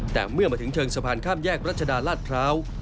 แต่เมื่อมาถึงเชิงสะพานข้ามแยกรัชดาลาดพร้าว